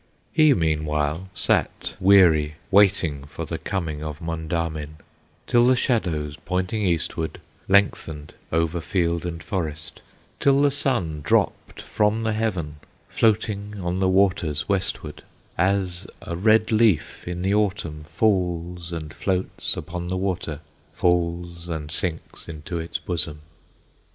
He meanwhile sat weary waiting For the coming of Mondamin, Till the shadows, pointing eastward, Lengthened over field and forest, Till the sun dropped from the heaven, Floating on the waters westward, As a red leaf in the Autumn Falls and floats upon the water, Falls and sinks into its bosom.